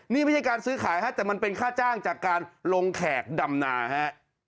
นี่ไม่ใช่การซื้อขายฮะแต่มันเป็นค่าจ้างจากการลงแขกดำนาฮะ